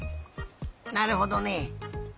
なるほどね。